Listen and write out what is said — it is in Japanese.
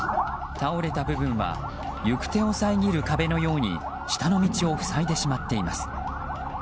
倒れた部分は行く手をさえぎる壁のように下の道を塞いでしまっています。